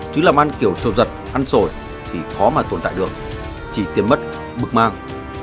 chứ làm ăn kiểu trộp giật ăn sổi thì khó mà tồn tại được chỉ tiền mất bực mang